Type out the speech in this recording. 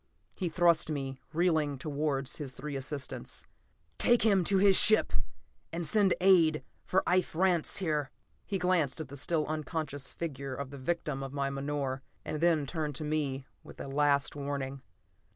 He thrust me, reeling, towards his three assistants. "Take him to his ship, and send aid for Ife Rance, here." He glanced at the still unconscious figure of the victim of my menore, and then turned to me with a last warning.